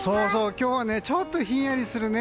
今日はちょっとひんやりするね。